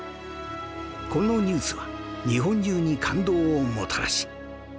このニュースは日本中に感動をもたらし